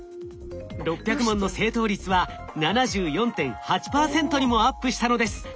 ６００問の正答率は７４．８％にもアップしたのです。